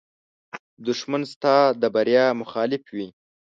دښمن ستا د بریا مخالف وي